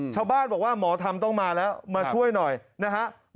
ชาวบ้านบอกว่าหมอธรรมต้องมาแล้วมาช่วยหน่อยนะฮะ